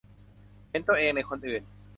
เห็นตัวเองในคนอื่น